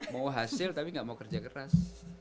mau hasil tapi nggak mau kerja keras